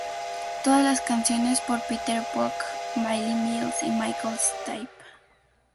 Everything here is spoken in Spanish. Todas las canciones por Peter Buck, Mike Mills y Michael Stipe.